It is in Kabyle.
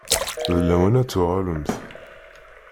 D lawan ad tuɣalemt.